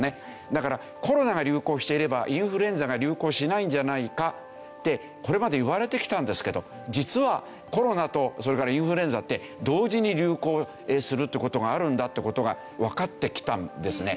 だからコロナが流行していればインフルエンザが流行しないんじゃないかってこれまでいわれてきたんですけど実はコロナとそれからインフルエンザって同時に流行するって事があるんだって事がわかってきたんですね。